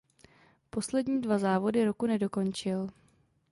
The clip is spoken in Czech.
Poslední dva závody roku nedokončil.